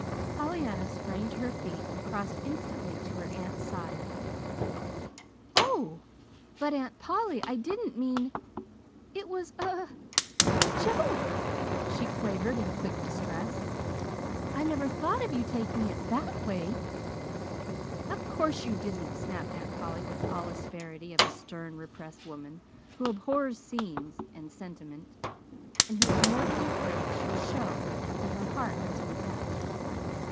Pollyanna sprang to her feet and crossed instantly to her aunt's side. "Oh, but Aunt Polly, I didn't mean It was just a a joke," she quavered in quick distress. "I never thought of your taking it THAT way." "Of course you didn't," snapped Aunt Polly, with all the asperity of a stern, repressed woman who abhors scenes and sentiment, and who is mortally afraid she will show that her heart has been touched.